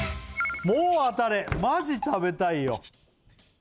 もう当たれマジ食べたいよ